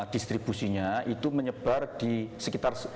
distribusinya itu menyebar di sekitar